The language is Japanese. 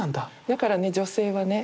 だからね女性はね